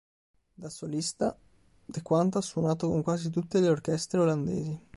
Da solista, de Quant ha suonato con quasi tutte le orchestre olandesi.